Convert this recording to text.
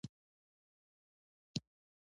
په تابوت کې یې کښېښود.